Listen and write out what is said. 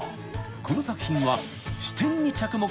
［この作品は］